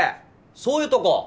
そういうとこ。